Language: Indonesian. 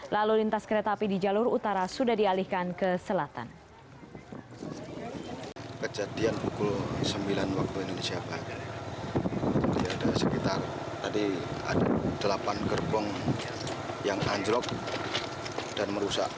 lalu lintas kereta api di jalur utara sudah dialihkan ke selatan